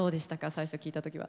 最初聞いた時は。